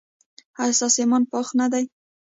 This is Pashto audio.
ایا ستاسو ایمان پاخه نه دی؟